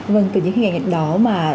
vâng từ những hình ảnh đó mà